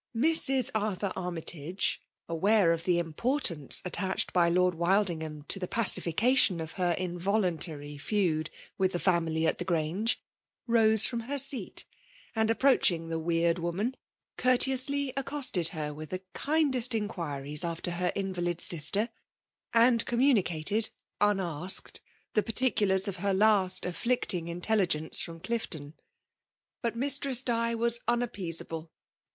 Mrs. Arthur Armytage, aware of the im* portance attached by Lord Wildingham to the pacification of her involuntary feud with the family at the Grange, rose from her seat, and approaching the weird woman, courteously accosted her with the kindest inquiries after her invalid sister; and communicated, unasked, the particulars of her last afflicting inteUb* gence from Clifton. But Mistress Di was unappeasable.